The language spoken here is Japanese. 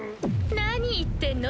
何言ってんの？